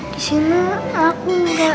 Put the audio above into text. disini aku gak